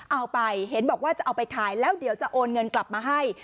เอาไปเห็นบอกว่าจะเอาไปขายแล้วเดี๋ยวจะโอนเงินกลับมาให้